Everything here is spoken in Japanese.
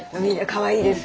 かわいいです。